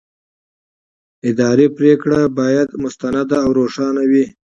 اداري پرېکړه باید مستنده او روښانه وي.